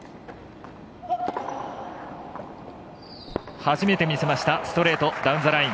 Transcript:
初めて見せましたストレート、ダウンザライン。